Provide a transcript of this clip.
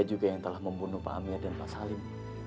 ada juga yang telah membunuh pak amir dan pak salim